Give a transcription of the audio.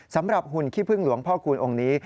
หุ่นขี้พึ่งหลวงพ่อคูณองค์นี้